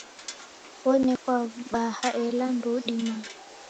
Onekwa w'ubaha ela ndeudima.